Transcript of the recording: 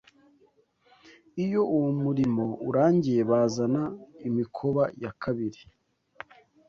Iyo uwo murimo urangiye bazana imikoba ya kabiri